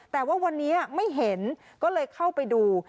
แต่ว่าวันนี้ไม่เห็นก็เลยเข้าไปดู